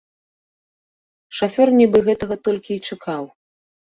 Шафёр нібы гэтага толькі і чакаў.